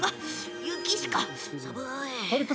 雪しか。